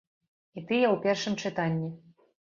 І тыя ў першым чытанні.